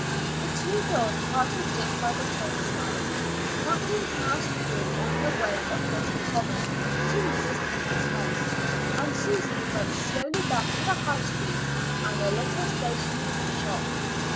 The two girls parted just by the turnstile. Kathleen passed through on her way across the common to Mrs. Tennant's house, and Susy went slowly back to the High Street and the little stationer's shop.